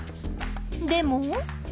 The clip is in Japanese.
でも。